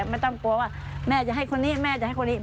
ไม่ต้องกลัวว่าแม่จะให้คนนี้แม่จะให้คนนี้